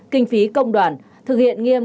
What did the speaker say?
kinh phí công đoàn thực hiện nghiêm